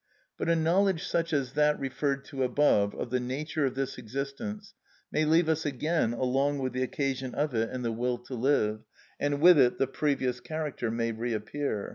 But a knowledge such as that referred to above of the nature of this existence may leave us again along with the occasion of it and the will to live, and with it the previous character may reappear.